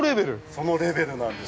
◆そのレベルなんです。